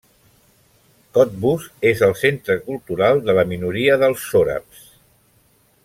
Cottbus és el centre cultural de la minoria dels sòrabs.